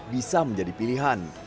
bisa menjadi pilihan